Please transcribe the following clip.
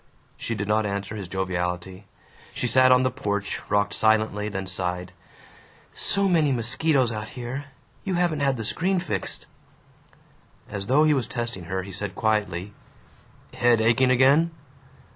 She did not answer his joviality. She sat on the porch, rocked silently, then sighed, "So many mosquitos out here. You haven't had the screen fixed." As though he was testing her he said quietly, "Head aching again?"